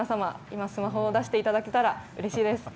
今、スマホを出していただけたらうれしいです。